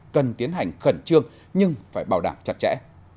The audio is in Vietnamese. cần tiến hành khẩn trương nhưng phải bảo đảm chặt chẽ